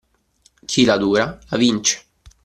Chi la dura, la vince.